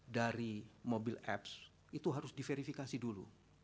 dari mobil apps itu harus diverifikasi dulu